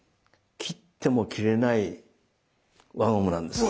切っても切れない輪ゴムなんです。